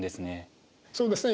そうですね。